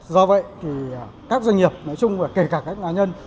do vậy thì các doanh nghiệp nói chung là kể cả các nhà nhân